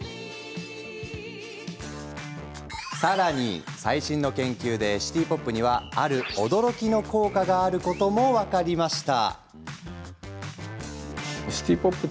さらに、最新の研究でシティ・ポップにはある驚きの効果があることも分かりました。